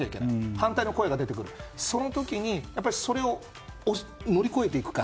反対の声が出てきた時にそれを乗り越えていくか